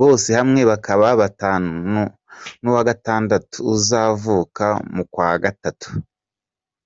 Bose hamwe bakaba batanu, n’uwa gatandatu uzavuka mu kwa gatatu.